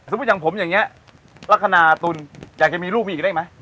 สมมุติอย่างผมอย่างเนี้ยลักษณาตุลอยากเกณฑ์มีลูกมีอีกได้ไหม